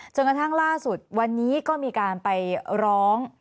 จนกระทั่งล่าสุดวันนี้ก็มีการไปร้อง